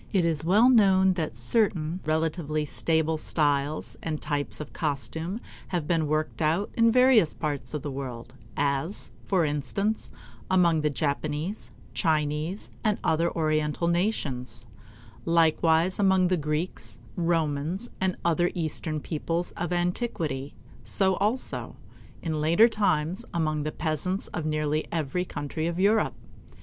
It is well known that certain relatively stable styles and types of costume have been worked out in various parts of the world; as, for instance, among the Japanese, Chinese, and other Oriental nations; likewise among the Greeks, Romans, and other Eastern peoples of antiquity so also, in later times, among the peasants of nearly every country of Europe.